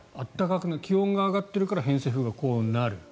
気温が上がってるから偏西風がこうなる。